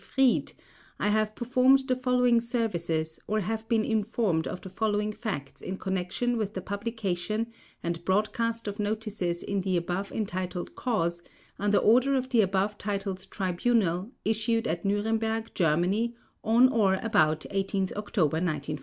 Fried I have performed the following services or have been informed of the following facts in connection with the publication and broadcast of notices in the above entitled cause under order of the above titled tribunal issued at Nuremberg, Germany, on or about 18 October, 1945: 1.